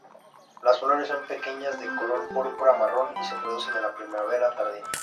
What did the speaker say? Las flores son pequeñas de color púrpura-marrón y se producen en la primavera tardía.